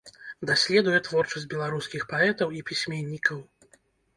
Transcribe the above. Даследуе творчасць беларускіх паэтаў і пісьменнікаў.